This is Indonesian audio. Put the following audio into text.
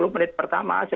sepuluh menit pertama